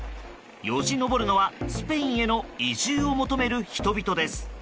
よじ登るのは、スペインへの移住を求める人々です。